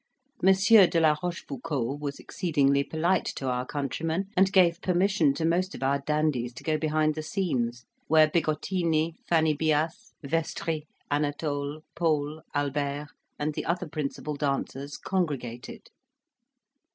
M. de la Rochefoucauld was exceedingly polite to our countrymen, and gave permission to most of our dandies to go behind the scenes, where Bigottini, Fanny Bias, Vestris, Anatole, Paul, Albert, and the other principal dancers, congregated.